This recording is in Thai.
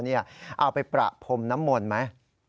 เอาไปประพรมน้ำมนต์ไหม